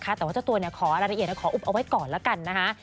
สำหรับชุดแข็งตั้งไหรือหลาก็อุบให้ก่อนนะฮะ